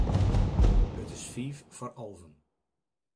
It is fiif foar alven.